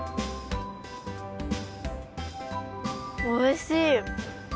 おいしい！